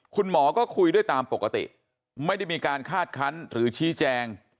คุณหมอก็คุยด้วยตามปกติไม่ได้มีการคาดคันหรือชี้แจง